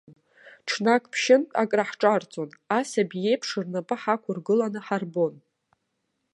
Ҽнак ԥшьынтә акраҳҿарҵон, асаби иеиԥш рнапы ҳақәыргыланы ҳарбон.